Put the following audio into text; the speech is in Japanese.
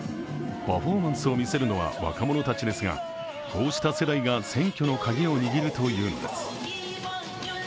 パフォーマンスを見せるのは若者たちですがこうした世代が選挙のカギを握るというのです。